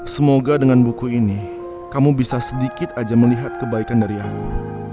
semoga dengan buku ini kamu bisa sedikit aja melihat kebaikan dari aku